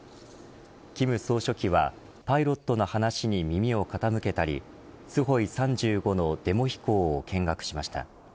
金総書記はパイロットの話に耳を傾けたりスホイ３５のデモ飛行を見学しました。